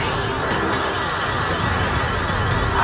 aku harus bersiap